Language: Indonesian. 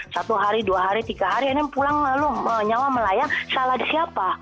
satu hari dua hari tiga hari ini pulang lalu nyawa melayang salah di siapa